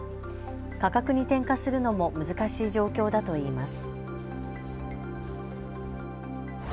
価格に転嫁するのも難しい状況だといいます。